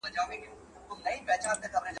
زه مي ژاړمه د تېر ژوندون کلونه